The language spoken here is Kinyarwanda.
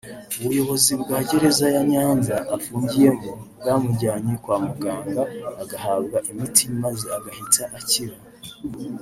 ubuyobozi bwa gereza ya Nyanza afungiyemo bwamujyanye kwa muganga agahabwa imiti maze agahita akira